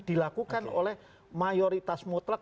dikumpulkan oleh mayoritas mutlak